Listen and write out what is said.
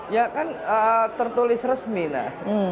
ya kan tertulis resmi nah